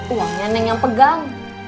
uangnya neng yang pegang